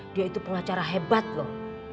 dia itu pengacara hebat loh